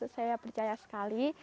saya percaya sekali